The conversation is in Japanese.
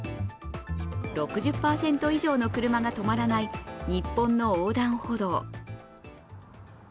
６０％以上の車が止まらない日本の横断歩道。